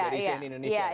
dari cnn indonesia kan